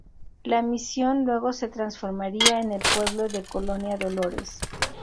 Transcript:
La misión luego se transformaría en el pueblo de Colonia Dolores.